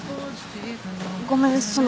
ごめんその。